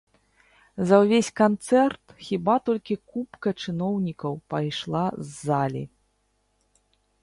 За ўвесь канцэрт хіба толькі купка чыноўнікаў пайшла з залі.